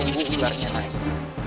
tunggu ularnya naik